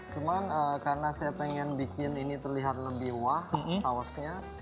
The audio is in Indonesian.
cuma karena saya ingin bikin ini terlihat lebih wah sauce nya